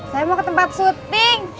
saya mau ke tempat syuting